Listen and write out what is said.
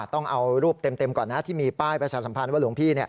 ต้องเอารูปเต็มก่อนนะที่มีป้ายประชาสัมพันธ์ว่าหลวงพี่